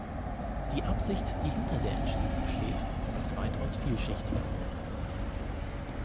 Die Absicht, die hinter der Entschließung steht, ist weitaus vielschichtiger.